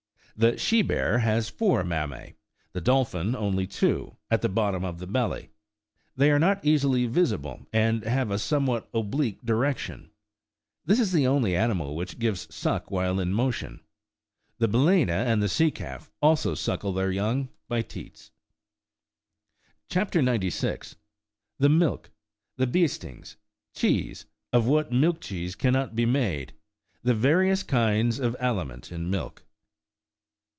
The she bear has four mammae, the dolphin only two, at the bottom of the belly ; they are not easily visible, and have a somewhat oblique direction : this is the only animal which gives suck while in motion. The balsena and sea calf also suckle their young by teats. CHAP. 96. (41.) THE MILK : THE BIESTESTGS. CHEESE | OF WHAT MILK CHEESE CANNOT BE MADE. B.ENNET ; THE VAKIOTJS KINDS OF ALIMENT IN MILK.